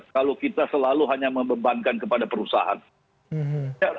kalau kita selalu hanya membebankan kepada perusahaan